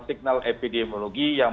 signal epidemiologi yang